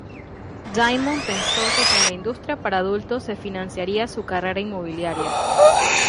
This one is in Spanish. Diamond pensó que con la industria para adultos se financiaría su carrera inmobiliaria.